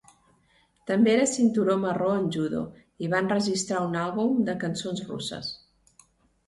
També era cinturó marró en judo i va enregistrar un àlbum de cançons russes.